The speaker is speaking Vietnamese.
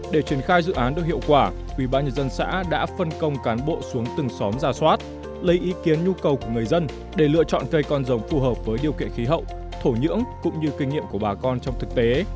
để triển khai dự án được hiệu quả ubnd xã đã phân công cán bộ xuống từng xóm ra soát lấy ý kiến nhu cầu của người dân để lựa chọn cây con rồng phù hợp với điều kiện khí hậu thổ nhưỡng cũng như kinh nghiệm của bà con trong thực tế